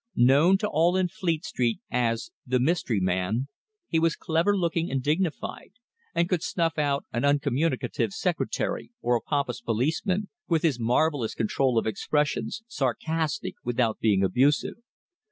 Known to all in Fleet Street as "the Mystery Man," he was clever looking and dignified, and could snuff out an uncommunicative secretary, or a pompous policeman, with his marvellous control of expressions, sarcastic without being abusive.